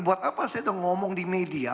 buat apa saya udah ngomong di media